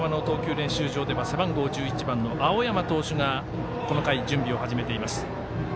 練習場では背番号１１番の青山投手がこの回、準備を始めています。